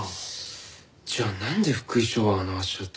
じゃあなんで福井翔はあの足跡を？